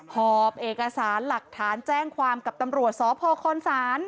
หอบเอกสารหลักฐานแจ้งความกับตำรวจสพคศ